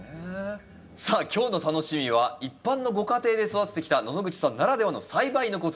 さあ今日の楽しみは一般のご家庭で育ててきた野々口さんならではの栽培のコツ。